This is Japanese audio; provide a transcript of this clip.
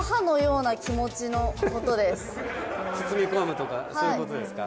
包みこむとかそういうことですか？